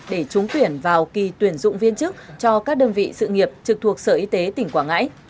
để trúng tuyển vào kỳ tuyển dụng viên chức cho các đơn vị sự nghiệp trực thuộc sở y tế tỉnh quảng ngãi